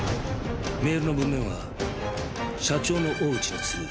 メールの文面は「社長の大内に告ぐ」。